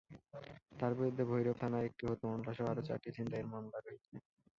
তাঁর বিরুদ্ধে ভৈরব থানায় একটি হত্যা মামলাসহ আরও চারটি ছিনতাইয়ের মামলা রয়েছে।